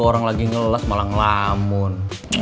orang lagi ngeles malah ngelamun